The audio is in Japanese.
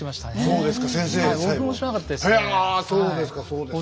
そうですかそうですか。